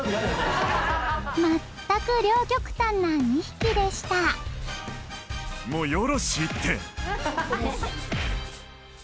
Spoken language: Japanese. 全く両極端な２匹でした「もうよろしいって！」